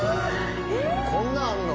こんなんあるの？